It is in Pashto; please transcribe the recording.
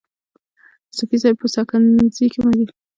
صوفي صاحب په ساکزی کي مندینزای دی.